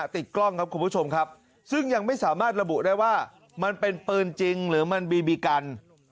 ติดกล้องครับคุณผู้ชมครับซึ่งยังไม่สามารถระบุได้ว่ามันเป็นปืนจริงหรือมันบีบีกัน